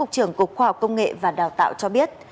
trưởng cục khoa học công nghệ và đào tạo cho biết